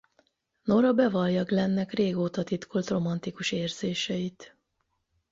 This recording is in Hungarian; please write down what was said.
Nora bevallja Glennek régóta titkolt romantikus érzéseit.